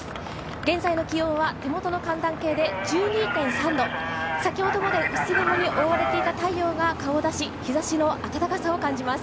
現在の気温は手元の寒暖計で、１２．３度先ほどまで薄雲に覆われていた太陽が顔を出し、日差しの暖かさを感じます。